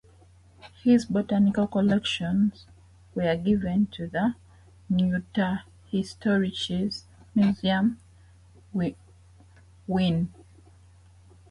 His botanical collections were given to the "Naturhistorisches Museum Wien".